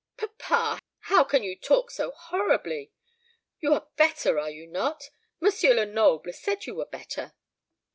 "Papa, how can you talk so horribly! You are better, are you not? M. Lenoble said you were better."